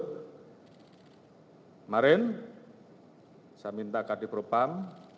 kemarin saya minta kartiprofam